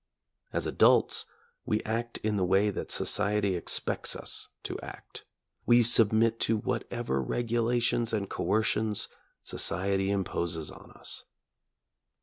As adults, we act in the way that society expects us to act; we submit to whatever regulations and coercions society imposes on us.